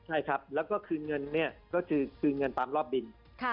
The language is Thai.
ใช่ครับแล้วก็คืนเงินตามรอบบิน